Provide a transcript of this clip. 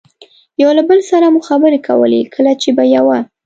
یو له بل سره مو خبرې کولې، کله چې به یوه.